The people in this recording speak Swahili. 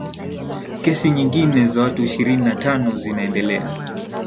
kesi nyingine za watu ishirini na tano zinaendelea